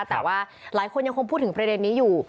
แต่ว่าหลายคนยังคงพูดถึงประเด็นนี้อยู่